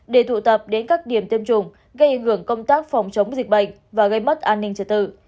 để tụ tập đến các điểm tiêm chủng gây ảnh hưởng công tác phòng chống dịch bệnh và gây mất an ninh trật tự